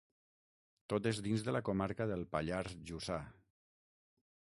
Tot és dins de la comarca del Pallars Jussà.